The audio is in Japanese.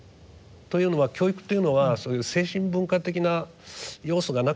というのは教育というのはそういう精神文化的な要素がなくちゃならない。